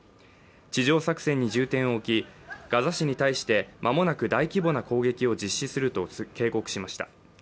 地上作戦に重点を置き、ガザ市に対して間もなく大規模な攻撃を実施すると警告しました。